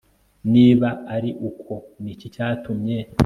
niba ari uko, ni iki cyatumye